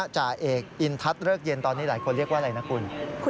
จ่าเอกอินทัศน์เริกเย็นตอนนี้หลายคนเรียกว่าอะไรนะคุณ